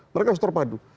mereka harus terpadu